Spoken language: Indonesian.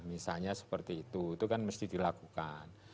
misalnya seperti itu itu kan mesti dilakukan